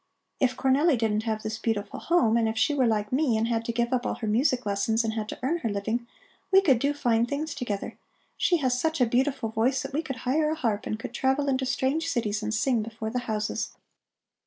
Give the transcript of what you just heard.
If Cornelli didn't have this beautiful home and if she were like me and had to give up all her music lessons and had to earn her living, we could do fine things together. She has such a beautiful voice that we could hire a harp and could travel into strange cities and sing before the houses.